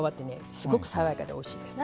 すごく爽やかでおいしいです。